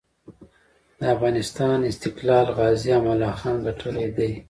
د افغانسان استقلار غازي امان الله خان ګټلی دی.